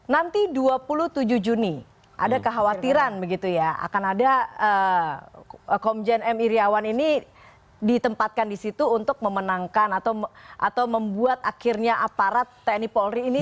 nanti dua puluh tujuh juni ada kekhawatiran begitu ya akan ada komjen m iryawan ini ditempatkan di situ untuk memenangkan atau membuat akhirnya aparat tni polri ini